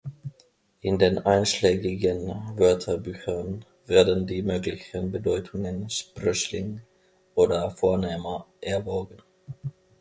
In den einschlägigen Wörterbüchern werden die möglichen Bedeutungen "Sprössling" oder "Vornehmer" erwogen.